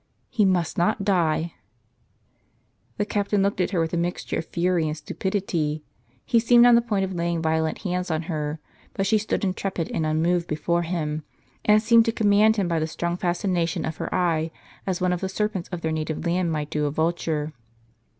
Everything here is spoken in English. " He must not die." The captain looked at her with a mixture of fury and stupidity. He seemed on the point of laying violent hands on her; but she stood intrepid and unmoved before him, and seemed to command him by the strong fascination of her eye, as one of the serpents of their native land might do a vulture.